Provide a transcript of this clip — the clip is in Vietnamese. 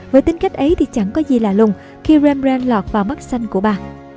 với tính cách ấy thì chẳng có gì lạ lùng khi rembrandt lọt vào mắt xanh của bà